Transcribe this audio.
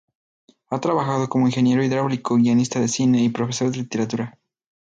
Ha trabajado como ingeniero hidráulico, guionista de cine y profesor de literatura.